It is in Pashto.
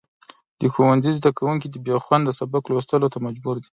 د ښوونځي زدهکوونکي د بېخونده سبق لوستلو ته مجبور دي.